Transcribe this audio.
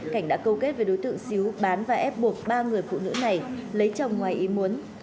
cảnh đã câu kết với đối tượng xíu bán và ép buộc ba người phụ nữ này lấy chồng ngoài ý muốn